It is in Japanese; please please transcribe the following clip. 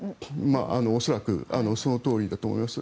恐らくそのとおりだと思います。